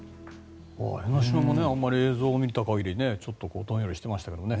江の島も映像を見た限りちょっとどんよりしてましたけどね。